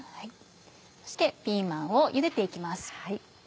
そしてピーマンを茹でて行きます。